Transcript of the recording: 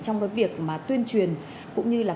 trong cái việc mà tuyên truyền cũng như là